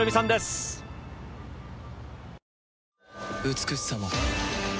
美しさも